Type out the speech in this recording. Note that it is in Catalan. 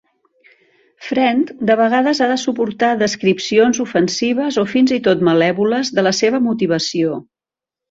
Friend de vegades ha de suportar descripcions ofensives o fins i tot malèvoles de la seva motivació.